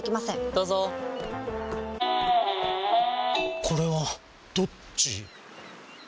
どうぞこれはどっち？